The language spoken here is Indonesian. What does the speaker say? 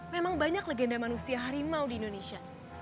memang banyak legenda manusia harimau di indonesia